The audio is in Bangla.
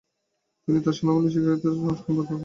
তিনি তার শাসনামলে শিক্ষাক্ষেত্রে সংস্কার সাধন করেন।